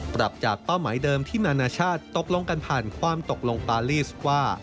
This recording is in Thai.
ปรับจากเป้าหมายเดิมที่นานาชาติตกลงกันผ่านความตกลงปารีสว่า